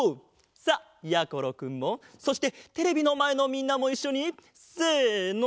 さあやころくんもそしてテレビのまえのみんなもいっしょにせの！